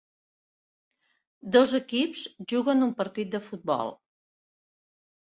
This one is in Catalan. Dos equips juguen un partit de futbol.